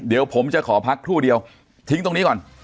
เดี๋ยวผมจะขอพักครู่เดียวทิ้งตรงนี้ก่อน